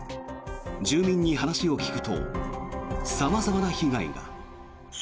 住民に話を聞くと様々な被害が。